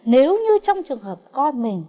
nếu như trong trường hợp con mình